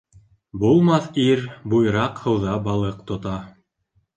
Булмаҫ ир буйраҡ һыуҙа балыҡ тота.